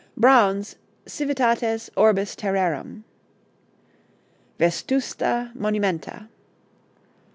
Braun's 'Civitates orbis terrarum.' 'Vestusta Monumenta.'